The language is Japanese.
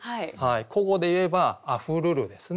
古語で言えば「あふるる」ですね。